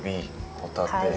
ホタテ？